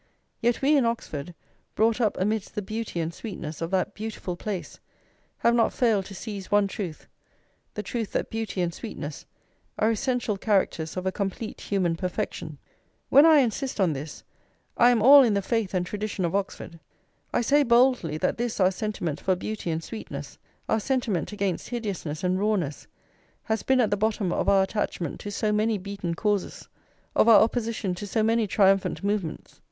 Yet we in Oxford, brought up amidst the beauty and sweetness of that beautiful place, have not failed to seize one truth: the truth that beauty and sweetness are essential characters of a complete human perfection. When I insist on this, I am all in the faith and tradition of Oxford. I say boldly that this our sentiment for beauty and sweetness, our sentiment against hideousness and rawness, has been at the bottom of our attachment to so many beaten causes, of our opposition to so many triumphant movements.